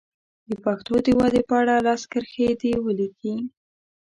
د پښتو د ودې په اړه لس کرښې دې ولیکي.